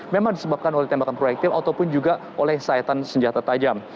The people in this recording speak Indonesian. memang disebabkan oleh tembakan proyektil ataupun juga oleh sayatan senjata tajam